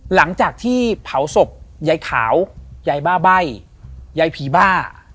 หลังจากที่เผาศพยายขาวยายบ้าใบ้ยายผีบ้า